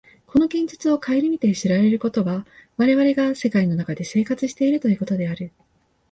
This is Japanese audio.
この現実を顧みて知られることは、我々が世界の中で生活しているということである。